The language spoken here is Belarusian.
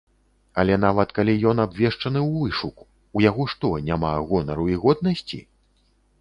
Але нават калі ён абвешчаны ў вышук, ў яго што, няма гонару і годнасці?